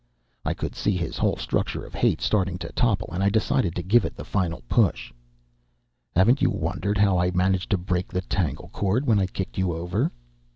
I could see his whole structure of hate starting to topple, and I decided to give it the final push. "Haven't you wondered how I managed to break the tangle cord when I kicked you over?"